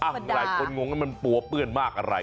หัวลายคนงงกันมันปัวเปื้อนมากกว่าอะไร